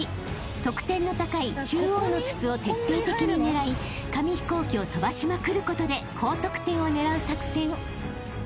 ［得点の高い中央の筒を徹底的に狙い紙飛行機を飛ばしまくることで高得点を狙う作戦］